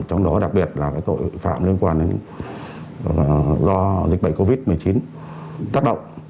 trong đó đặc biệt là tội phạm liên quan đến do dịch bệnh covid một mươi chín tác động